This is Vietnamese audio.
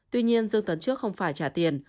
tuy nhiên dương tấn trước không phải trả tiền